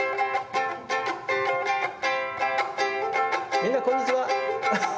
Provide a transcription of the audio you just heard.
「みんなこんにちは！